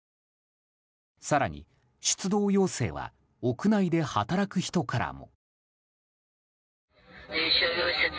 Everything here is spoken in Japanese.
更に出動要請は屋内で働く人からも。